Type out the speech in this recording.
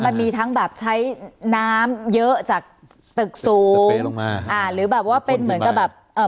มันมีทั้งแบบใช้น้ำเยอะจากตึกสูงหรือแบบว่าเป็นเหมือนกับแบบ